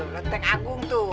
leteng agung tuh